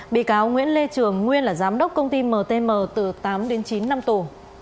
bị cáo nguyễn lê trường nguyên là giám đốc công ty mtm từ tám đến chín năm tù